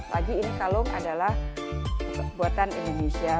lagi ini kalung adalah buatan indonesia